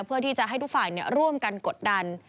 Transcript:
เพื่อที่จะให้ทุกฝ่ายร่วมกันกดดัน